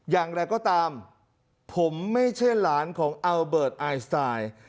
อย่างไรก็ตามผมไม่ใช่หลานของอัลเบิร์ตไอสไตล์